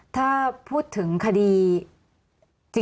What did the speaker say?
ถ้าพูดถึงคดี